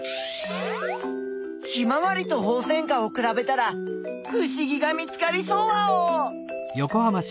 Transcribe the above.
ヒマワリとホウセンカをくらべたらふしぎが見つかりそうワオ！